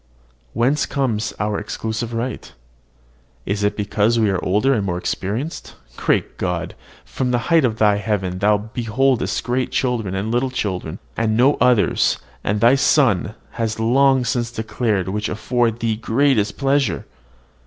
Whence comes our exclusive right? Is it because we are older and more experienced? Great God! from the height of thy heaven thou beholdest great children and little children, and no others; and thy Son has long since declared which afford thee greatest pleasure.